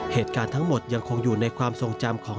เหตุการณ์ทั้งหมดยังคงอยู่ในความทรงจำของ